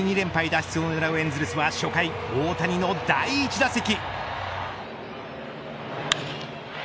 脱出を狙うエンゼルスは初回、大谷の第１打席。